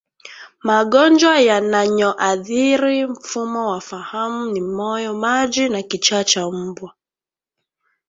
Magonjwa yananyoathiri mfumo wa fahamu ni moyomaji na kichaa cha mbwa